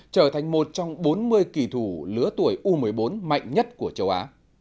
trở thành một trong bốn mươi kỳ thủ lứa tuổi u một mươi bốn mạnh nhất của châu á